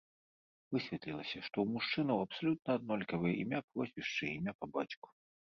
Высветлілася, што ў мужчынаў абсалютна аднолькавыя імя, прозвішча і імя па бацьку.